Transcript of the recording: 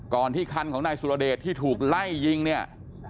ที่คันของนายสุรเดชที่ถูกไล่ยิงเนี่ย